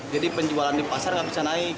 jadi penjualan di pasar nggak bisa naik